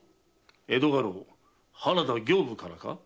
江戸家老・原田刑部からか？